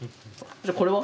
じゃこれは？